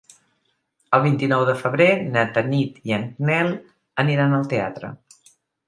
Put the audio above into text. El vint-i-nou de febrer na Tanit i en Nel aniran al teatre.